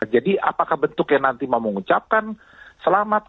jadi apakah bentuk yang nanti mau mengucapkan selamat